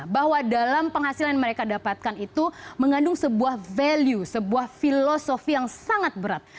bahwa dalam penghasilan yang mereka dapatkan itu mengandung sebuah value sebuah filosofi yang sangat berat